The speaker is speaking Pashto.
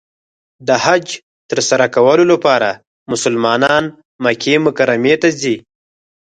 د حج تر سره کولو لپاره مسلمانان مکې مکرمې ته ځي .